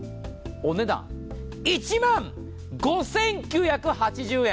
お値段１万５９８０円。